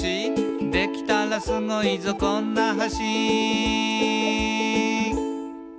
「できたらスゴいぞこんな橋」